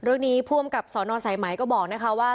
เรื่องนี้พ่อบังกลับสอชนศ์นอนใสมัยก็บอกนะฮะว่า